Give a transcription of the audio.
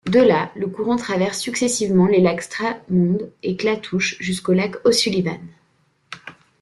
De là, le courant traverse successivement les lacs Stramond et Clatouche, jusqu’au Lac O'Sullivan.